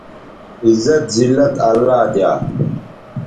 عزت، زلت اللہ دیا